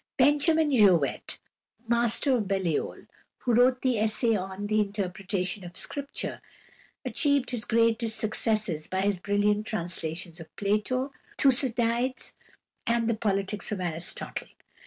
=Benjamin Jowett (1817 1893)=, master of Balliol, who wrote the essay on "The Interpretation of Scripture," achieved his greatest successes by his brilliant translations of Plato, Thucydides, and "The Politics" of Aristotle.